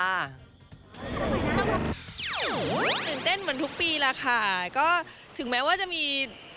ตื่นเต้นเหมือนทุกปีแล้วค่ะก็ถึงแม้ว่าจะมี